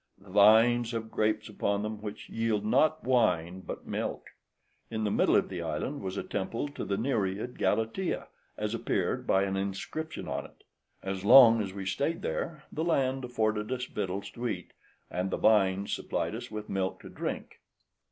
The vines have grapes upon them, which yield not wine, but milk. In the middle of the island was a temple to the Nereid Galataea, as appeared by an inscription on it: as long as we stayed there, the land afforded us victuals to eat, and the vines supplied us with milk to drink.